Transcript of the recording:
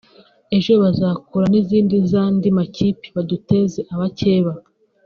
ejo bagakora n’izindi z’andi makipe baduteza abakeba